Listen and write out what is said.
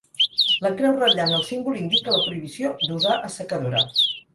La creu ratllant el símbol indica la prohibició d'usar assecadora.